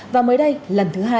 và mới đây lần thứ hai